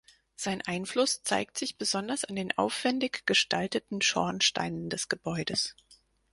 Sein Einfluss zeigt sich besonders an den aufwändig gestalteten Schornsteinen des Gebäudes.